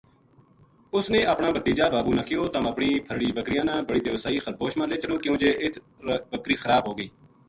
اس نے اپنا بھتیجا بابو نا کہیو تم اپنی پھرڑی بکریاں نا بڑی دیواسئی خربوش ما لے چلو کیوں جے اِت بکری خراب ہو گئی